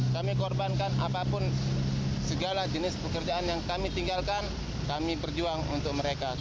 kami korbankan apapun segala jenis pekerjaan yang kami tinggalkan kami berjuang untuk mereka